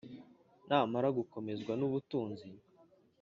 Namara gukomezwa n ubutunzi